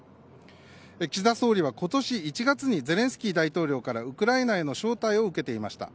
岸田総理は今年１月にゼレンスキー大統領からウクライナへの招待を受けていました。